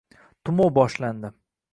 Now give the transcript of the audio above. Tumov boshlandi.